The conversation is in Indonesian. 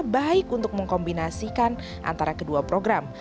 baik untuk mengkombinasikan antara kedua program